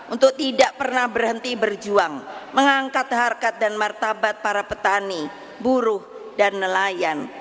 untuk tidak pernah berhenti berjuang mengangkat harkat dan martabat para petani buruh dan nelayan